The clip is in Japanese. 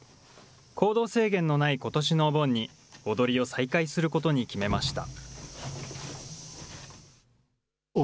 行動制限のないことしのお盆に、踊りを再開することに決めました。